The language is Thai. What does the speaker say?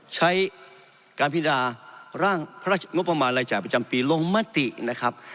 ใช้การภิราภารกรรมงบประมาณรายจ่ายประจำปีโรงมตินะครับ